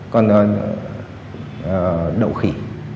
còn đậu khỉ